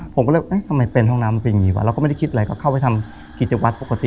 ผมก็เลยเอ๊ะทำไมเป็นห้องน้ำมันเป็นอย่างนี้วะเราก็ไม่ได้คิดอะไรก็เข้าไปทำกิจวัตรปกติ